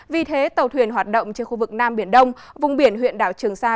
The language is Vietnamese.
vì thế tàu thuyền hoạt động trên khu vực nam biển đông vùng biển huyện đảo trường sa